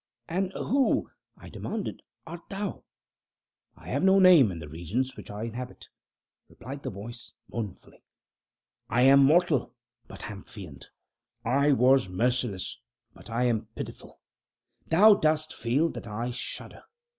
"And who," I demanded, "art thou?" "I have no name in the regions which I inhabit," replied the voice, mournfully; "I was mortal, but am fiend. I was merciless, but am pitiful. Thou dost feel that I shudder.